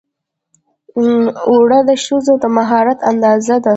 اوړه د ښځو د مهارت اندازه ده